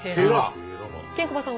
ケンコバさんは？